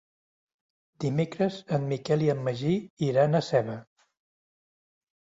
Dimecres en Miquel i en Magí iran a Seva.